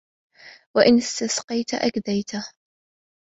وَإِنْ اسْتَقْصَيْت أَكْدَيْتَ